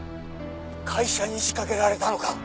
「会社に仕掛けられたのか！？」